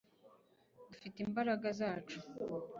dufite imbaraga zacu